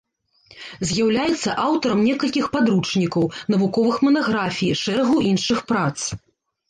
З'яўляецца аўтарам некалькіх падручнікаў, навуковых манаграфій, шэрагу іншых прац.